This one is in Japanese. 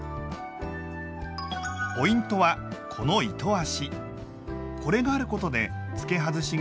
ポイントはこの糸足！